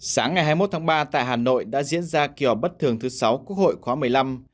sáng ngày hai mươi một tháng ba tại hà nội đã diễn ra kỳ họp bất thường thứ sáu quốc hội khóa một mươi năm